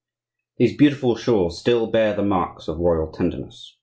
These beautiful shores still bear the marks of royal tenderness.